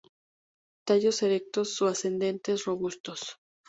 Tallos erectos o ascendentes, robustos.